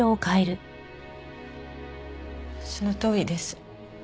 そのとおりです。